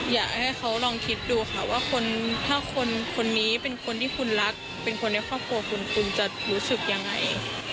อยากให้เขาลองคิดดูค่ะว่าคนถ้าคนนี้เป็นคนที่คุณรักเป็นคนในครอบครัวคุณคุณจะรู้สึกยังไง